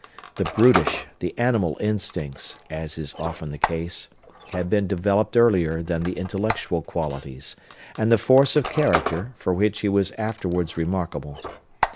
The brutish, the animal instincts, as is often the case, had been developed earlier than the intellectual qualities, and the force of character, for which he was afterwards remarkable.